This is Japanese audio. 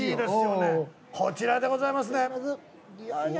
こちらでございますねよいしょ。